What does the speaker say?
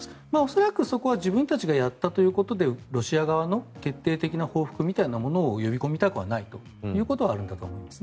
恐らくそこは自分たちがやったということでロシア側の決定的な報復みたいなところを呼び込みたくはないということはあるんだと思います。